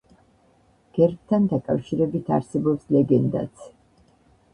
გერბთან დაკავშირებით არსებობს ლეგენდაც.